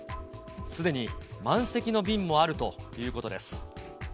すでに満席の便もあるということです。